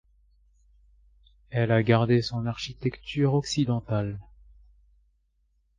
Elle a gardé son architecture occidentale.